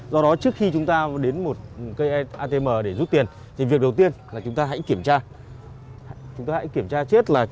do đó trước khi chúng ta đến một cây atm để rút tiền thì việc đầu tiên là chúng ta hãy kiểm tra